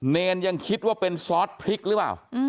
เนรยังคิดว่าเป็นซอสพริกหรือเปล่า